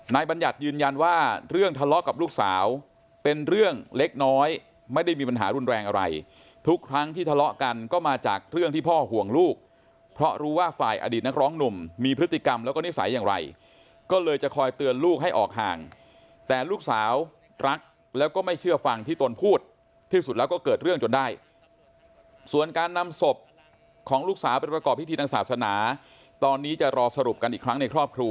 นายบัญญัติยืนยันว่าเรื่องทะเลาะกับลูกสาวเป็นเรื่องเล็กน้อยไม่ได้มีปัญหารุนแรงอะไรทุกครั้งที่ทะเลาะกันก็มาจากเรื่องที่พ่อห่วงลูกเพราะรู้ว่าฝ่ายอดีตนักร้องหนุ่มมีพฤติกรรมแล้วก็นิสัยอย่างไรก็เลยจะคอยเตือนลูกให้ออกห่างแต่ลูกสาวรักแล้วก็ไม่เชื่อฟังที่ตนพูดที่สุดแล้วก็เกิดเรื่องจน